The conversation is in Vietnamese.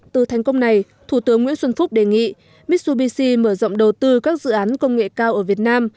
từ thành công này thủ tướng nguyễn xuân phúc đề nghị mitsubishi mở rộng đầu tư các dự án công nghệ cao ở việt nam